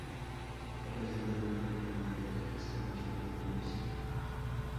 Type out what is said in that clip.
Se presenta en una pequeña área del extremo Sur del Municipio.